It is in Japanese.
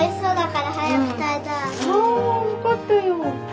あよかったよ。